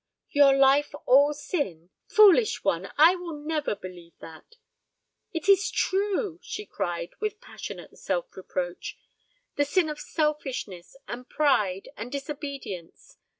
"Your life all sin! Foolish one, I will never believe that." "It is true," she cried, with passionate self reproach. "The sin of selfishness, and pride, and disobedience.